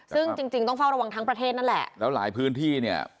ซึ่งจริงจริงต้องเฝ้าระวังทั้งประเทศนั่นแหละแล้วหลายพื้นที่เนี่ย